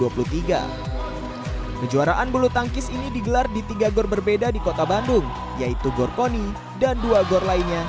pebuluh tangkis ini digelar di tiga gor berbeda di kota bandung yaitu gor kony dan dua gor lainnya